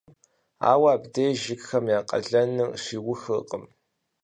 Ауэ абдеж жыгхэм я къалэныр щиухыркъым.